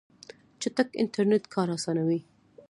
چټک انټرنیټ کار اسانوي.